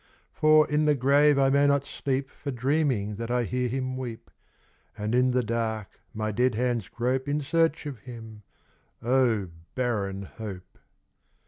For in the grave I may not sleep For dreaming that I hear him weep. And in the dark, my dead hands grope In search of him. O barren hope